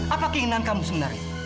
apa keinginan kamu sebenarnya